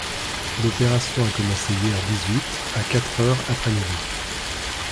L'opération a commencé hier dix-huit, à quatre heures après midi.